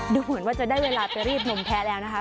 ดูเหมือนว่าจะได้เวลาไปรีบนมแพ้แล้วนะคะ